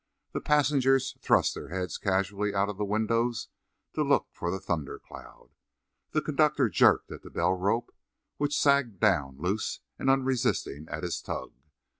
The passengers thrust their heads casually out of the windows to look for the thunder cloud. The conductor jerked at the bell rope, which sagged down loose and unresisting, at his tug.